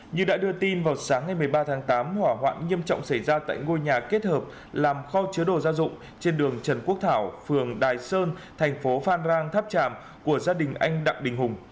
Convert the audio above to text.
như đã đưa tin vào sáng ngày một mươi ba tháng tám hỏa hoạn nghiêm trọng xảy ra tại ngôi nhà kết hợp làm kho chứa đồ gia dụng trên đường trần quốc thảo phường đài sơn thành phố phan rang tháp tràm của gia đình anh đặng đình hùng